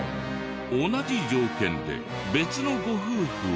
同じ条件で別のご夫婦は。